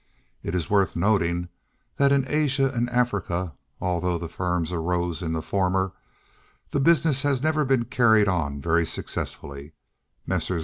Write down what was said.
It is worth noting that in Asia and Africa (although the firm arose in the former) the business has never been carried on very successfully; Messrs.